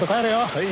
はい。